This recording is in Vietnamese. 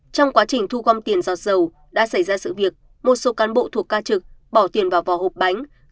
trong quá trình thu gom tiền giọt dầu đã xảy ra sự việc một số cán bộ thuộc ca trực bỏ tiền vào vò hộp bánh